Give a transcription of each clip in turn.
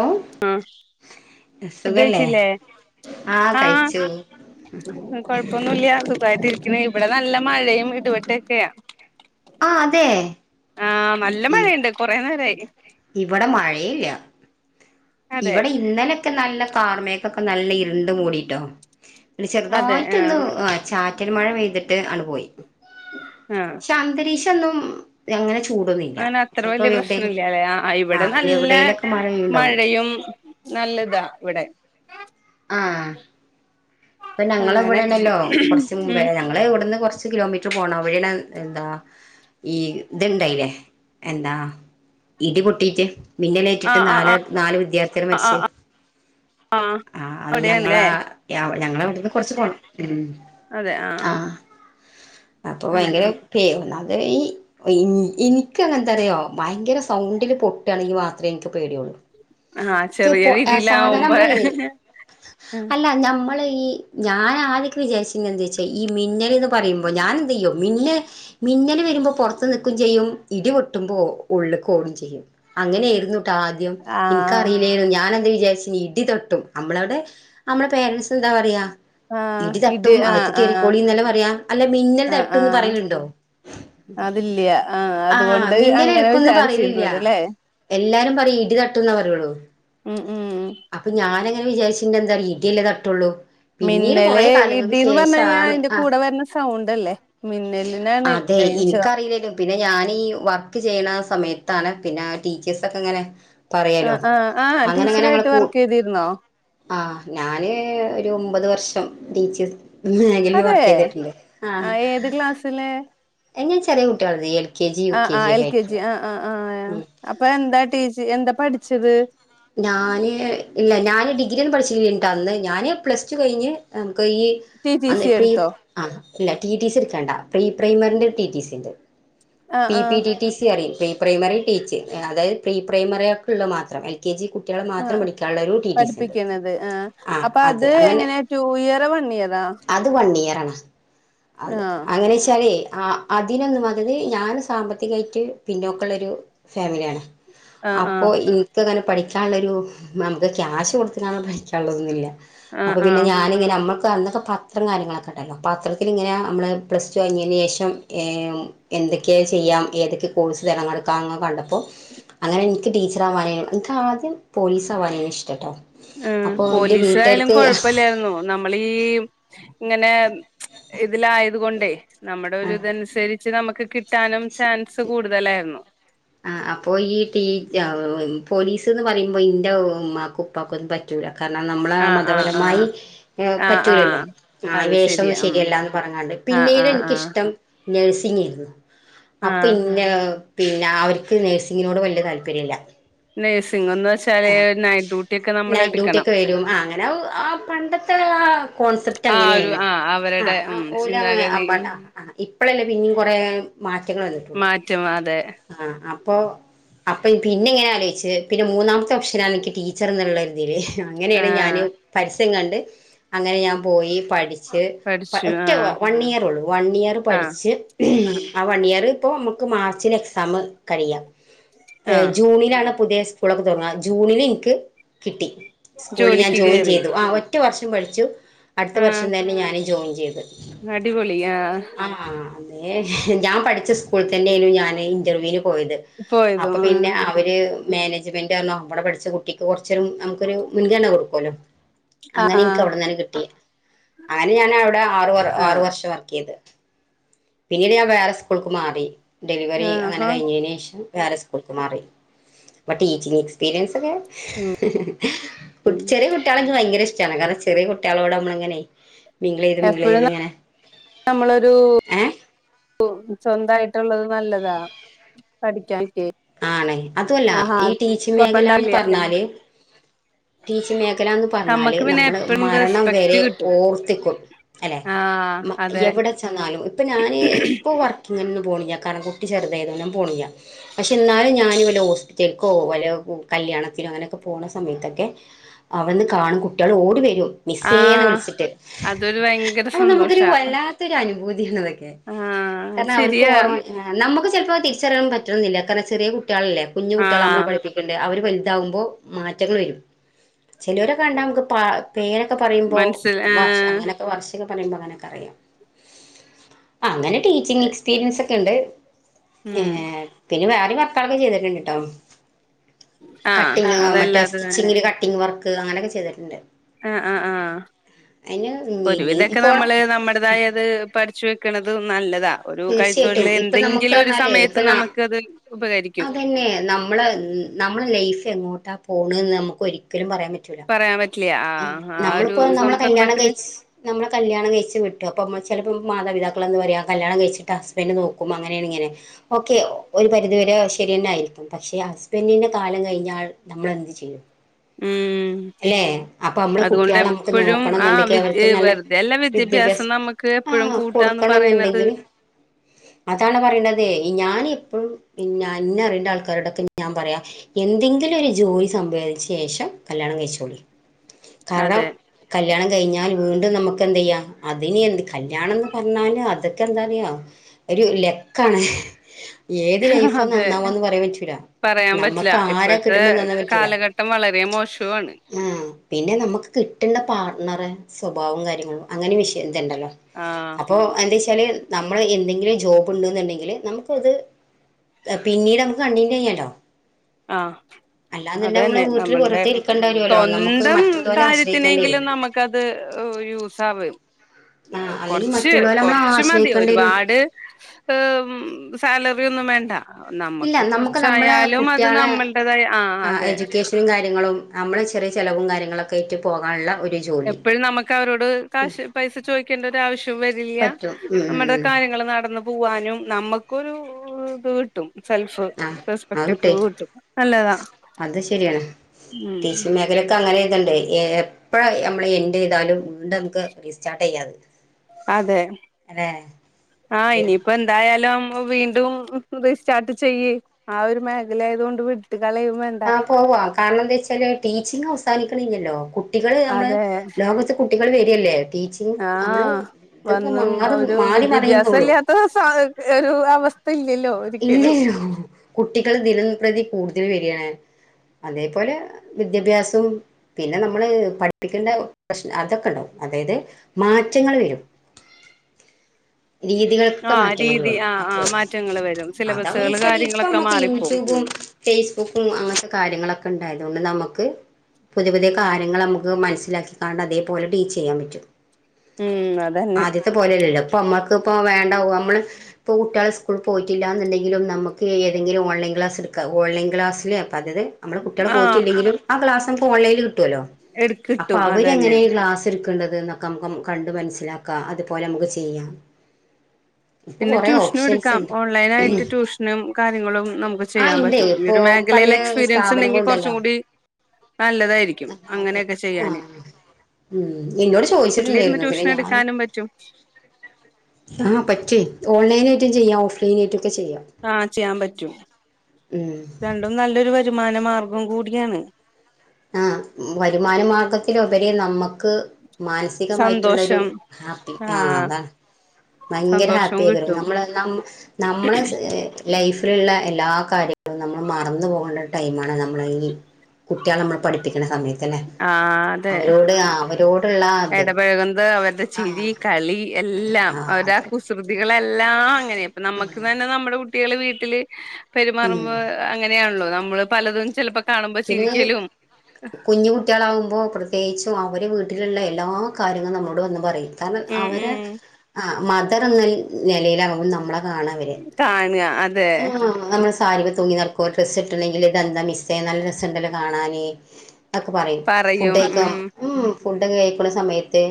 ഓ ആഹ് ഫുഡ് സുഖല്ലേ ഴച്ചില്ലേ ആഹ് കൊഴപ്പൊന്നല്ല സുഖായി പിന്നെ ഇവിടെ നല്ല മഴയും ഇടപെട്ടൊക്കെയാ ആഹ് അതെ ആഹ് നല്ല മഴയുണ്ട് കുറെ നേരായി ഇവിടെ മഴയില്ല അതെ ഇവിടെ ഇന്നലെയൊക്കെ നല്ല കാർമേ നല്ല ഇരുണ്ട് മൂടിട്ടോ അതെ ചെറുതായിട്ടൊന്ന് ആഹ് ആ ച മറ്റരി മഴ പെയ്തിട്ട് അണുപോയി ആഹ് ചാന്ന്ദ്ര എന്നും ഞങ്ങള് അങ്ങനെ അത്ര വലിയ പ്രശ്ന ഇല്ല അല്ലെ ആഹ് ഇവിടെ നല്ല എവിടേലൊക്കെ മഴ പെയ്യുണ്ടാവും മഴയും നല്ലതാ ഇവിടെ ആഹ് ഇപ്പൊ ഞങ്ങള അങ്ങനെ ഇവിടെണല്ലോ കുറച്ച് മുമ്പേ ഉം ഞങ്ങള ഇവിടുന്ന് കൊറച്ച് കിലോമീറ്റർ പോണം അവിടെടെ എന്താ ഈ ഇത്ണ്ടായില്ലേ എന്താ ഇടി പൊട്ടീട്ട് മിന്നലേറ്റിട്ട് ആഹ് ന ആഹ് നാല് വിദ്യാർത്ഥികൾ ആഹ് മരിച്ച ആഹ് ആഹ് അത് ഞങ്ങള അവിടെയാണല്ലേ ഞങ്ങള അവിടുന്ന് കുറച്ച് ഉം ആഹ് അപ്പൊ ഭയങ്കര ഒന്നാമത് ഈ എനിക്ക് എങ്ങതെയറിയോ ഭയങ്കര സൗണ്ടില് പൊട്ടുകയാണെങ്കി മാത്രമേ എനിക്ക് പേടിയുള്ളു. ആഹ ചെറിയ രീതിയിലാവുമ്പോ നമ്മള് [unintelligible] ങ നമ്മ ഈ ഞാന ആദ്യ വിചാരിച്ചി എന്താെച്ചാ ഈ മിന്നൽ എന്ന് പറയു പ്പോ ഞാൻ എന്ത് ചെയ്യോ, മിന്നല് മിന്നല് വരുമ്പോ പുറത്ത് നിക്കും ചെയ്യും, ഇടി വൊട്ടുമ്പോ ഉള്ളക്ക് ഓടും ചെയ്യും. അങ്ങനെയായിയിരുന്നിട്ടോ ആദ്യം ആഹ് എനിക്കറിയില്ലായിരുന്നു ഞാൻ അത് വിചാരിച്ചന് ഇടി തൊട്ടും നമ്മളവിടെ നമ്മടെ പേരൻസ് എന്താ പറയാ ആഹ് ഇടി തട്ടും ആഹ് അകത്ത് ആഹ് കേറിക്കോളിന്നല്ലെ പറയാ അല്ല മിന്നൽ ആഹ് തട്ടുന്ന് ആഹ് പറയല്ണ്ടോ അതില്ല്യ ആഹ് അതുകൊണ്ട് മിന്നൽ അങ്ങനെ എടുക്കുന്നും പറയലില്ല വിചാരിച്ചിരുന്നത് ല്ലേ എല്ലാരും പറയ് ഇടി തട്ടുന്ന പറയുള്ളൂ ഉം ഉം അപ്പൊ ഞാന ഞാൻ വിചാരിച്ചീന്യത് എന്താന്നറിയോ ഇടിയല്ലേ തട്ടുള്ളൂ പിന്നീട് മിന്നല് കൊറേ കാലങ്ങൾക്ക് ഇടീന്ന് പറഞ്ഞു കഴിഞ്ഞാൽ ശേഷാണ് അതിന്റെ ആ കൂടെ വരുന്ന സ സൗണ്ടല്ലേ മിന്നലിനാണ് അതെ ഡെയിഞ്ചർ എനിക്കറിയില്ലല്ലോ പിന്നെ ഞാൻ ഈ വർക്ക് ചെയ്യണ സമയത്താണ് പിന്നെ ടീച്ചേഴസ് ഒക്കെ ഇങ്ങനെ ആ പറയാലോ ആഹ് ആഹ് ടീച്ചറായിട്ട് വർക്ക് ചെയ്തിരുന്നോ ആഹ് ഞാന് ഒരു ഒമ്പത് വർഷം ടീച്ചർ മേഖലയിൽ വർ തെ ആ ഏത് ക്ലാസ്സില് ഞാൻ ചെറിയ കുട്ടികളത് എൽ കെ ജി യു ആഹ് ആഹ് എൽ ഒക്കെ കെ ജി ആയിട്ടുള്ള ആ ആ ആ ഉം അപ്പൊ എന്താ ടീച്ച് എന്താ പഠി പഠിച്ചത് ഞാന് ഇല്ല ഞാൻ ഡിഗ്രി ഒന്ന് പഠിച്ചില്ല ട്ട അന്ന് ഞാന് പ്ലസ്ടു കഴിഞ്ഞ് ഇപ്പ ഈ ടി ടി അല്ലെ സി ഇപ്പ ഈ എടുത്തോ ആ ടി ടി സി ഇട്ക്കണ്ട പ്രീ പ്രൈമറിന്റെ ടി ടി സി ണ്ട് ആഹ് പി ആഹ് പിടി ടി സി അറിയോ പ്രീ പ്രൈമറി ടീച്ചി അതായത് പ്രീ പ്രൈമറിയക്കുള്ള മാത്രം എൽ കെ ജി കുട്ടികളെ ആ മാത്രം പഠിക്കാനുള്ള ഒരു ടി ടി സി ഉണ്ട് പഠിപ്പിക്കണത് ആ അപ്പൊ അത് എങ്ങനെയാ റ്റു ഇയറ വൺ ഇയറാ ആഹ് അതെ ആഹ് അങ്ങനെ ഓയ്ച്ചാലേ ആ അതിനൊന്നും അതിന് ഞാൻ സാമ്പത്തികമായിട്ട് പിന്നോക്കുള്ള ഒരു ഫാമിലിയാണ് ആഹ് അപ്പോ ആഹ് ഇൻക്കങ്ങനെ പഠിക്കാനുള്ളൊരു നമുക്ക് ക്യാഷ് കൊടുത്ത് പഠിക്കാനുള്ളതൊന്നുല്ല ആഹ് അപ്പൊ പിന്നെ ആഹ് ഞാനിങ്ങനെമ്മ അന്നൊക്കെ പത്രും കാര്യങ്ങളൊക്കെ ണ്ടായിനി പത്രത്തില് ഇങ്ങനെ ഞമ്മള് പ്ലസ്ടു കഴിഞ്ഞേന് ശേഷം ഏഹ് എന്തൊക്കെ ചെയ്യാം ഏതൊക്കെ കോഴ്സ് തെരഞ്ഞെടുക്കാം ഇങ്ങനെ കണ്ടപ്പോ അങ്ങനെ ഇൻക് ടീച്ചറാവാനേനി ഇൻക്ക് ആദ്യം പോലീസാവാനേനി ഇഷ്ടട്ടോ ആ പോലീസ് ആയാലും കൊഴപ്പല്ലായിരുന്നു നമ്മളീ ഇങ്ങനെ ഇതിലായത് കൊണ്ടേ നമ്മുടെ ആ ഒരു ഇതനുസരി പച്ച് നമുക്ക് കിട്ടാനും ചാൻസ് കൂടുതലായിരുന്നു ആ അപ്പൊ ഈ ടീ ഉം പോലീസ് എന്ന് പറയുമ്പോ ഇന്റെ ഉമ്മാക്ക് ഉപ്പക്കൊ അത് പറ്റൂല രണം നമ്മള ആഹ് ആഹ് മതപരമായി ആഹ് ആഹ് ആഹ് പറ്റൂലല്ലോ ആ അത് വേഷം ശെരിയാ ഒന്നും ഉം ശരിയല്ലന്ന് പറഞ്ഞാണ്ട് ആഹ് പിന്നീട് ആഹ് ആഹ് എനിക്കിഷ്ടം നഴ്സിങ്ങായിരുന്നു അപ്പൊ ആഹ് ഇന്നെ ആവർക്ക് നേഴ്സിങ്ങിനോട് വലിയ താല്പര്യം ഇല്ല [unintelligible] സ് ആ നൈറ്റ് ഡ്യൂട്ടിയ നമ്മളെടുക്കണം. ഒക്കെ വരും ആ അങ്ങനെ ആ പണ്ടത്തെ ആ കോൺസെപ്റ്റ് ആ ഒരു അങ്ങനെനെ ആ ആ അവരുടെ ഉം ഓല ആ ചിന്താഗതി ഉം അ ഇപ്പഴല്ലേ പിന്നും കൊറെ മാറ്റങ്ങൾ വന്നിട്ടുള്ളൂ മാറ്റം അതെ ആ അപ്പോ അപ്പൊ പിന്നെ എങ്ങനെ ആലോചിച്ചച്ച് പിന്നെ മൂന്നാ ഓപ്ഷന എനിക്ക് ടീച്ചർ എന്നുള്ളൊരിതിൽ അങ്ങനെയാണ് ആഹ് ഞാന് പ ങ്ങണ്ട് അങ്ങനെ ഞാൻ പോയി പഠിച്ച് പഠിച്ചു ഒറ്റ ആഹ് വൺ ഇയർ ഉള്ളൂ വൺ ഇയർ ആഹ് പഠിച്ച് ആ വൺ ഇയർ ഇപ്പൊ നമുക്ക് മാർച്ചില് എക്സാം കഴിയാം ആഹ് ജൂണിലാണ് പുതിയ സയൂർ തുടങ്ങാ ജൂണിൽ എനിക്ക് കിട്ടി സ്കൂളിൽ ഞാൻ ജോലിക്ക് ജോയിൻ കേറി ചെയ്തു ആ ഒ റ്റു വർഷം കഴിച്ചു അടുത്ത വർഷം തന്നെ ഞാന് ജോയിൻ ചെയ്തത് നടിപൊളിയ ഞാൻ പഠിച്ച സ്കൂളിൽ തന്നെും ഞാന്ൻ ഇന്റർവ്യൂവിന് പോയത് അപ്പൊ പോയതും ആഹ് പിന്നെ അവര് മാനേജ്മെന്റ് നമ്മടെ പഠിച്ച കുട്ടി [unintelligible] നമുക്കൊരു മുൻഗണന കൊടുക്കുവല്ലോ ആഹ് അങ്ങനെ എനിക്ക് ആഹ് അവിടന്നെ കിട്ടിയ [unintelligible] ഞാൻ ആറ് ആറ് വർഷം വക്കിയത് പിന്നീട് ഞാൻ വേറെ സ്കൂൾക്ക് മാറി ഡെലിവറി ആഹ് അങ്ങനെ ഹാ കഴിഞ്ഞനേഷം വേറെ സ്കൂൾക്ക് മാറി ഇപ്പൊ ടീ [unintelligible] ഉം കു ഉം ചെറിയ കുട്ടികളെ എനക്ക് ഭയങ്കര ഇ [unintelligible] ചെറിയ കുട്ടികളോട് നമ്മളിങ്ങനെ മിംഗിൾചെയ്ത് എപ്പഴും മിംഗിൾചെയ്തിങ്ങനെ നമ്മളൊരു ഏ [unintelligible] സ്വന്തായിട്ടുള്ളത് നല്ലതാ പഠിക്കാൻ ആണെ അതുവല്ല ഈ ടീച്ചിങ് മേഖലാന്ന് കൊഴപ്പണ്ടാവില്ല പറഞ്ഞാല് ടീച്ചിംഗ് മേഖലാന്ന് പറഞ്ഞാല് നമ്മക്ക് പിന്നെ നമ്മള് എപ്പഴും മരണം റെസ്പെക്റ്റ് വരെ കിട്ടും ഓർത്തിക്കും അല്ലെ ആഹ് അതെ എവിടെ ചെന്നാലും ഇപ്പൊ ഞാന് ഇപ്പൊ വർക്കി [unintelligible] പോണില്ല കാരണം കുട്ടി [unintelligible] ഞാൻ പോണില്ല പക്ഷേ എന്നാലും ഞാനും വല്ല ഹോസ്പിറ്റലക്കോ വല്ല കല്യാണത്തിനോ അങ്ങനെയൊക്കെ പോണ സമയത്തൊക്കെ അവിന്ന് കാണും കുട്ടികള് ഓടി വരും മിസേന്നു ആഹ് വിളിച്ചിട്ട് അതൊരു ഭയങ്കര അപ്പൊ നമുക്കൊരു സന്തോഷാ വല്ലാത്തൊരു അനുഭൂതിയാണതൊക്കെ ആഹ് കാരണം അവർക്ക് ശരിയാ ഓർമ്മ [unintelligible] നമുക്ക് ചിലപ്പോ തിരിച്ചറിയാൻ പറ്റണോന്നില്ല ചെറിയ കു ട്ടിളല്ലേ കുഞ്ഞുകുട്ടികള നമ്മള് ആഹ് പഠിപ്പിക്കണ്ടേ അവര് വലുതാകുമ്പോ മാറ്റങ്ങൾ വരും ചിലവരെ കണ്ടാ നമുക്ക് പ പേരൊക്കെ പറയുമ്പോ മനസ്സിൽ [inaudible] ആഹ് അങ്ങനെയൊക്കെ വ [unintelligible] ആ അങ്ങനെ ടീച്ചിംഗ് എക്സപീരിയൻസ ക്കെണ്ട് ഏ ഉം പിന്നെ വേറെ വർക്കളെക്കെ ചെയ്തിട്ടുണ്ടേട്ടോ ആഹ് കട്ടിങ് മറ്റേ അതല്ലാതെ സ്റ്റിച്ചിങ്ങില് കട്ടിങ് വർക്ക് അങ്ങനൊക്കെ ചെയ്തിട്ടുണ്ട് ആ ആ ആ അതിന് ഇനി ഒരുവിധൊക്കെ പോണം നമ്മള് നമ്മടേതായ അത് പഠിച്ചു വെ ക്ക്ണത് നല്ലതാ ഒരു കൈത്തൊഴിൽ തീർച്ചയായിട്ടും ഇപ്പ നമുക്ക് എന്തെങ്കിലും ഒരു വന്നാല് സമയത്ത് ഇപ്പ ന നമുക്കത് ഉപകരിക്കും അതന്നെ നമ്മള നമ്മള ലൈഫ് എങ്ങോട്ടാ പോണ് നമുക്കൊരി പറയാൻ പറ്റൂല പറയാൻ പറ്റില്ല ആ ആ ഒരു നമ്മളിപ്പോ നമ്മള കല്യാണം സന്ദർഭത്തില് കഴിച്ച് നമ്മള കല്യാണം കഴിച്ച് വിട്ടു അപ്പ ചെലപ്പോ മാതാപിതാക്ക നിങ്ങളെന്ത് പറയാ കല്യാണം കഴിച്ച് ഹസ്ബൻഡ് നോക്കും അങ്ങനെയാണിങ്ങനെ ഓക്കെ ഒരു പരിധിവരെ ശരി തന്നായിരിക്കും പക്ഷെ ഹസ്ബൻഡിന്റെ കാലം കഴിഞ്ഞാൽ നമ്മളെന്ത് ചെയ്യും ഉം അല്ലെ അപ്പൊ നമ്മളെ കുട്ടികളെ നമുക്ക് അതുകൊണ്ടെപ്പഴും നോക്കണം ആ എന്നുണ്ടെങ്കിൽ വി അവർക്ക് നല്ല വെറുതെയല്ല വിദ്യാഭ്യാസം നമുക്ക് ആ എപ്പോഴും കൂട്ടാന്ന് കൊടുക്കണം പറയുന്നത് എന്നുണ്ടെങ്കിൽ അതാണ് പറയണതേ ഞാൻ എപ്പോഴും എന്നെ അറിയണ്ട ആൾക്കാരോടൊക്കെ ഞാൻ പറയാ എന്തെങ്കിലും ഒരു ജോലി സംഭവിച്ച ശേഷം കല്യാണം കഴിച്ചോളി കാരണം അതെ കല് കല്യാണം കഴിഞ്ഞാൽ വീണ്ടും നമുക്ക് എന്ത് ചെയ്യാം അതിന് എന്ത് കല്യാണം എന്ന് പറഞ്ഞാല് അതൊക്കെ എന്താ പറയാ ഒരു ലെക്കാണ്. ഹഹ ഹ അതെ പറയാൻ പറ്റില്ല നമ്മക്ക് ആരാ ഇപ്പോഴത്തെ കിട്ടണന്ന് നന്നാൻ പറ്റൂല കാലഘട്ടം വളരെ മോശവുമാണ്. ആ പിന്നെ നമുക്ക് കിട്ടേണ്ട പാർട്ണർ സ്വഭാവം കാര്യങ്ങളും അങ്ങനെ വിഷയം ണ്ടല്ലൊ ആ അതിൻ്റെ ചി ചിലൽ നമ്മ് നമ്മൾ എന്തെങ്കിലും ജോബ് ഉണ്ട്ന്നുണ്ടെങ്കില് നമുക്കത് ങ പിന്നീട് നമുക്ക് കണ്ടിന്യു ചെയ്യാലോ ആ അല്ലാന്നുണ്ടെങ്കിൽ നമ്മള് അതന്നെ വീട്ടില് നമ്മളുടെ വെറുതെ ഇരിക്കേണ്ടി വരുമല്ലോ നമുക്ക് സ്വന്തം മറ്റുള്ളവരെ ആശ്രയിക്കേണ്ടി വരും കാര്യത്തിനെങ്കിലും നമുക്കത് ഉ യൂസാവും. [unintelligible] ആ അല്ലെങ്കിൽ കൊറച്ച് മറ്റുള്ളവരെ നമ്മളെ കൊറച്ച് മതി ആശ്രയിക്കേണ്ടി വരും ഒരുപാട് ആഉം സാലറി ഒന്നും വേണ്ട. ഇല്ല നമ്മക്ക് നമുക്ക് നമ്മളെ കുറച്ചായാലും മത് ഇത് കുട്ടികളെ നമ്മളടേതായ, ആ അതെ. നിങ്ങളും അമ്മള് ചെറിയ ചിലവും കാര്യങ്ങളൊക്കെ വിറ്റു പോകാനുള്ള ഒര് എപ്പൊഴും നമക്ക് അവരോട് കാശ് പൈസ ചോദിക്കേണ്ടൊരാവശ്യവും വരില്യ പറ്റും ഉം ഉം നമ്മടെ ഉം കാര്യങ്ങള് നടന്ന് പോവാനും നമ്മ ക്കൊരു ഇത്ട്ടും സെൽഫ് ആ അത് റെസ്പെക്റ്റൊക്കെ കിട്ടേ കിട്ടും നല്ലതാ അത് ശരിയാണ് ഉം. ത്ണ്ട് എപ്പഴ നമ്മള് എൻഡ്യ്താലും വീണ്ട്മുക്ക് റീസ്റ്റാർട്ട് യ്യാത്. അതെ ആ ഇനിയിപ്പ എന്തായാലും ഇപ്പ വീണ്ടും റീസ്റ്റാർട്ട് ചെയ്യ് ആ ഒരു മേഖലായോതോണ്ട് വി ആ പോവ് കാരണം ന്തെച്ചാല് ടീച്ചിങ്ങ് അവ്സാനിക്ക്‌ ന്നില്ലല്ലോ കുട്ട് ട്ടികള് നമ്മള് അതെ ലോകത്ത് കുട്ടികൾ വെര് ല്ലേ ടീച്ചിങ്ങ് മ്മള് ആഹ് ഇതൊക്കെ വന്നും മാറ് ഒരു മാറി വിദ്യാഭ്യാസം മറിയുംന്നൊള്ളു ഇല്ലാത്ത സ ഒരു അവസ്ഥ ഇല്ലല്ലോ ഒരിക്കലും ഇല്ല്യല്ലോ കുട്ടികള് ദിനം പ്രതി കൂടുതൽ വെര് ആണ് അതേപോലെ വിദ്യാഭ്യാസം പിന്നെ നമ്മള് പഠിപ്പിക്കേണ്ട പ്രശ്നം അതൊക്കെണ്ടാവും അതായത് മാറ്റങ്ങൾ വെരും. ആ മാറ്റങ്ങൾ രീതി വരും ആ ആ അത്രേ ഉള്ളൂ മാറ്റങ്ങൾ വെരും. അതാന്ന് വെച്ചാല് ഇപ്പ മ്മക്ക് യൂട്യൂബും ഉം ഫെയ് ഫേസ്ബുക്കും അങ്ങത്തെ കാര്യങ്ങളൊക്ക ഇണ്ടായതോണ്ട് നമ്മ ക്ക് പുതിയ പുതിയ കാര്യങ്ങള് നമ്മക്ക് മനസ്സിലാക്കിക്കാണ്ട് അതേപോലെ ടീച്ചെയ്യാൻ പറ്റും. ഉം അതന്നെ. നമ്മക്കിപ്പോ വേണ്ടാവും നമ്മള് ഇപ്പ കുട്ട്യാള് സ്കൂളിൽ പോയി. പറ്റില്ലാന്നുണ്ടെങ്കിലും നമുക്ക് ഏതെങ്കിലും ഓൺലൈൻ ക്ലാസ്സെടുക്കാം. ഓൺലൈൻ ക്ലാസില് അതായത് നമ്മള് കുട്ടികൾ ആഹ് പോയിട്ടില്ലെങ്കിലും ആ ക്ലാസ്‌ നമുക്ക് ഓൺലൈനിൽ ട്ടോലോ. എടു അപ്പൊ കിട്ടും അതന്നെ അവരങ്ങനെ ക്ലാസിൽ കണ്ടത് ന്നൊക്കെ നമ് കണ്ട് മനസ്സിലാക്കാം അതുപോലെ നമുക്ക് ചെയ്യാം. ഇപ്പൊ പിന്നെ കൊറേ ട്യൂഷനും ഓപ്ഷൻസ് എടുക്കാം ഉണ്ട് ഓ നായിട്ട് ട്യൂഷനും കാര്യങ്ങളും നമുക്ക് ആ ചെയ്യാൻ ഇണ്ട് പറ്റും ഈ ഇപ്പൊ ഒരു പലേ മേഖലയിൽ എക്സ്പീരിയൻസ് ഉണ്ടെങ്കിൽ കുറച്ചും കൂടി നല്ലതായിരിക്കും ആ അതെ അങ്ങനെയൊക്കെ ആ ചെയ്യാന് ഉം എന്നോട് വീട്ടിലിരുന്ന് ചോയ്ച്ചിട്ടുണ്ടായിരുന്നു പിന്നെ ട്യൂഷൻ ഞാൻ എടുക്കാനും പറ്റും ആ പറ്റുയ്. ഓൺലൈനായിട്ടും ചെയ്യാം ഓഫ്‌ ലൈനായിട്ടും ആ ചെയ്യാൻ പറ്റും ഉം രണ്ടും നല്ലൊരു വരുമാനമാ ഗം കൂടിയാണ് ആ വരുമാന മാർഗത് ത്തിലുപരി നമ്മ ക് മാനസികമായിട്ടുള്ളൊരു സന്തോഷം ഹാപ്പി ആ ആഹ് അതാണ് ഭയങ്കര സന്തോഷവും ഹാപ്പി കിട്ടും നമ്മടെ എല്ലാം നമ്മളെ സൈ ലൈഫ് ള്ള എല്ലാ കാര്യങ്ങളും നമ്മള് മറന്നു പോകേണ്ട ടൈമാണ് നമ്മളെ ഈ ഒക്കെയാ നമ്മൾ പഠിപ്പിക്കുന്ന സമയത്തല്ലേ ആഹ് അതെ അവരോട് അ ഇടപഴകുന്നത് അവരുടെ ആഹ് ചിരി കളി എല്ലാം ആഹ് അവരുടെ അതെ കുസൃതികളെല്ലാം അങ്ങനെ ഇപ്പൊ നമ്മുക്ക് തന്നെ നമ്മടെ കു കുട്ടികള് വീട്ടില് ഉം പെരുമാറുമ്പോൾ അങ്ങനെ ആണല്ലോ ന മ്മള് പലതും ചിലപ്പോ കാണുമ്പോ പിന്നെ ചിരിക്കലും കുഞ്ഞു കുട്ടികളാവുമ്പോ പ്രത്യേകിച്ചും അവര് വീട്ടി ട്ടിലുള്ള എല്ലാ കാര്യങ്ങളും നമ്മോട് വന്ന് പറയും കാരണം ഉം അവരേ ഉം ആഹ് മദർ എന്ന നിലയിൽ ആവും നമ്മളെ കാണുക അ ഉം ന സാരിമേൽ തൂങ്ങി നടക്കു ഒരു ഡ്രസ്സ് ഇട്ടിട്ടുണ്ടങ്കിൽ ഇത് എന്താ മിസ്സേ നല്ല രസണ്ടല്ലോ ഉണ്ടല്ലോ കാണാന് അതൊക്കെ പറയും ഫുഡ്‌കഴികോ ഉം ഫുഡ്ഒക്കെ കഴിക്കുന്ന സമയത്ത്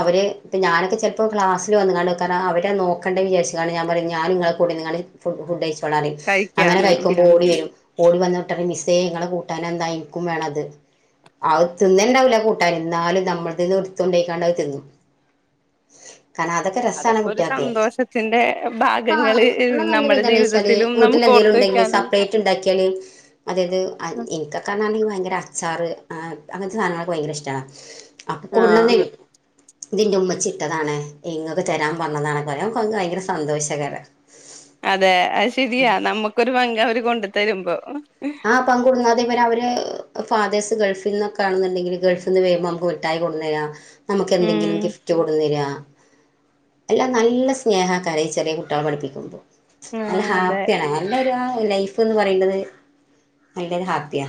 അവര് ഇപ്പം ഞാനൊക്കെ ചിലപ്പോൾ ക്ലാസ്സിൽ വന്ന്കാണ്ട് വെക്കാരണം അവരെ നോക്കണ്ട വിചാരിച്ച് കാണ്ട് ഞാൻ പറയും ഞാന് നിങ്ങളെ കൂടെ ഇരുന്നു ഫുഡ്‌യിച്ചോ പ്പളാണ് അങ്ങനെ കഴിക്കാന്ന് ഉം കഴിക്കുമ്പോ ഓടി വരും ഓടി വന്ന ട്ട മിസ്സേ നിങ്ങളെ കൂട്ടാനന്തായി എനിക്കും വേണമത് അത് തിന്നൽ ഉണ്ടാവൂല കൂട്ടാൻ എന്നാലും നമ്മളന്ന് എടുത്തുണ്ടായിക്കാണ്ടത് തിന്നും കാരണം രസാണ് അതൊക്കെ ഒരു കുട്ടികൾക്ക് സന്തോഷത്തിന്റെ ആഹ് ഭാഗങ്ങള് [unintelligible] നമ്മുടെ വെച്ചാല് ജീവിതത്തിലും വീട്ടില് നമുക്ക് എന്തെങ്കിലും ഓർത്ത് ഉണ്ടെങ്കി വെക്കാനുള്ള സെപ്പറേറ്റ് ഉണ്ടാക്കിയാല് അതായത് എനിക്കെക്കേന്ന് പറഞ്ഞാല് ഈ വയ [unintelligible] ങ്കര അച്ചാറ് ആ അങ്ങനത്തെ സാധനങ്ങളൊക്കെ ഭയങ്കര ഇഷ്ടാ ആഹ് [unintelligible] ഇതിൻ്റെ ഉമ്മച്ചിട്ടതാണ് ഇങ്ങൊക്ക് തരാൻ വന്നതാണ് [unintelligible] ഭയങ്കര സന്തോഷാ [unintelligible] അതെ അത് ശെരിയാ നമുക്കൊരു പങ്ക് അവര് കൊണ്ട് തരുമ്പോ ആഹ് പങ്കൊടുന്നാ അതേപോലെ അവര് ഫാദേഴ്സ് ഗൾഫിനിന്നൊക്കെ ആണെന്നുണ്ടെങ്കില് ഗൾഫിന്ന് വേമ്പോ നമുക്ക്ഠായി കൊടന്നരാ നമുക്ക് എന്തെങ്കിലും ഉം ഗിഫ്റ്റ് കൊടുന്നരാ എല്ലാം നല്ല സ്നേഹ കര്യ ചെറിയ കുട്ടോളെ പഠിപ്പിക്കുമ്പോ നല്ല ആഹ് അതെ ഹാപ്പിആണ് നല്ലരു ആരു ലൈഫ് ന്ന് പറയുന്നത് അയിന്റെര് ഹാപ്പിയാ